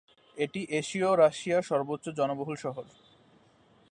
এটি এশীয় রাশিয়ার সর্বোচ্চ জনবহুল শহর।